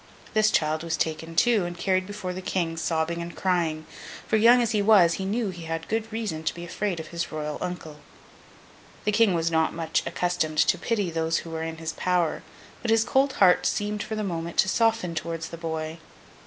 This child was taken, too, and carried before the King, sobbing and crying; for, young as he was, he knew he had good reason to be afraid of his Royal uncle. The King was not much accustomed to pity those who were in his power, but his cold heart seemed for the moment to soften towards the boy.